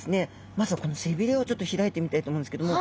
まずはこの背びれをちょっと開いてみたいと思うんですけども。